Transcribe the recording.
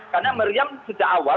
karena miriam sejak awal